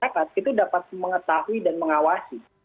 kita dapat mengetahui dan mengawasi